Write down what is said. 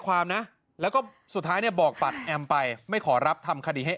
ความนะแล้วก็สุดท้ายเนี่ยบอกปัดแอมไปไม่ขอรับทำคดีให้